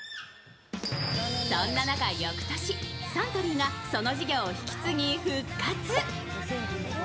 そんな中、翌年サントリーがその事業を引き継ぎ、復活。